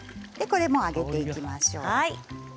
これを揚げていきましょう。